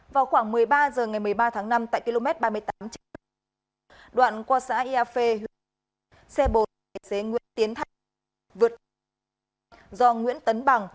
vào khoảng một mươi ba h ngày một mươi ba tháng năm tại km ba mươi tám đoạn qua xã yafê xe bồn tài xế nguyễn tiến thái vượt qua xã yafê do nguyễn tấn bằng